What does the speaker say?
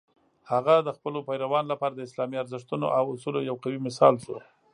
هغه د خپلو پیروانو لپاره د اسلامي ارزښتونو او اصولو یو قوي مشال شو.